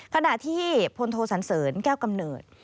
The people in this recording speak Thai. ขณะที่พลโทสันเสริญแก้วกำเนิด